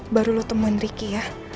baru lo temuin ricky ya